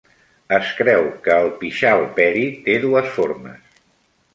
Es creu que el Pichal Peri té dues formes.